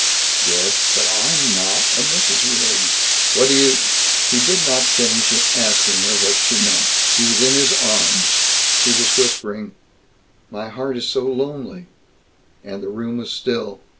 "Yes, but I'm not a Mrs. Riggs!" "What do you " He did not finish asking her what she meant. She was in his arms; she was whispering, "My heart is so lonely;" and the room was still.